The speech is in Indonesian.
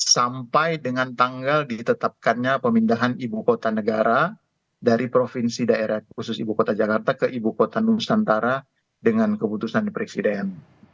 sampai dengan tanggal ditetapkannya pemindahan ibu kota negara dari provinsi daerah khusus ibu kota jakarta ke ibu kota nusantara dengan keputusan presiden